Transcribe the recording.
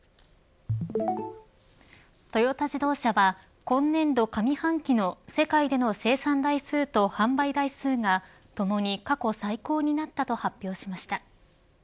トヨタ自動車は今年度上半期の世界での生産台数と販売台数がともに過去最高になったと発表しました。